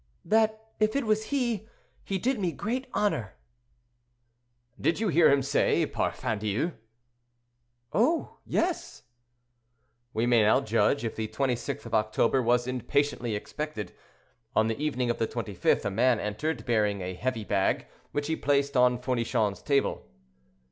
"That if it was he, he did me great honor." "Did you hear him say 'parfandious'?" "Oh! yes." We may now judge if the 26th of October was impatiently expected. On the evening of the 25th a man entered, bearing a heavy bag, which he placed on Fournichon's table.